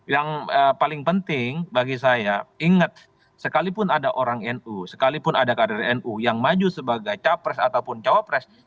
yang paling penting bagi saya ingat sekalipun ada orang nu sekalipun ada kader nu yang maju sebagai capres ataupun cawapres